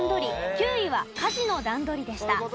９位は家事の段取りでした。